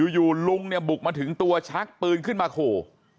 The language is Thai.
ลุงเนี่ยบุกมาถึงตัวชักปืนขึ้นมาขู่